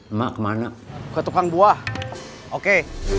emak kemana ke tukang buah oke